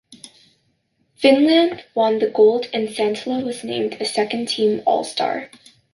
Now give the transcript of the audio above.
Finland won the Gold and Santala was named a Second Team All-Star.